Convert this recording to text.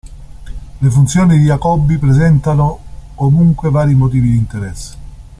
Le funzioni di Jacobi presentano comunque vari motivi di interesse.